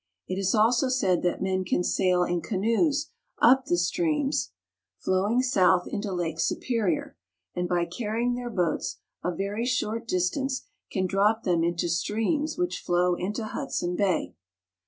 It is also said that men can sail in canoes up the streams flowing south into Lake Superior, and, by carrying their boats a very short distance, can drop them into streams which flow into Hudson Bay.